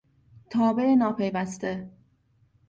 تابع ناپیوسته